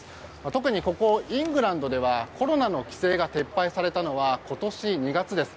特にここ、イングランドではコロナの規制が撤廃されたのは今年２月です。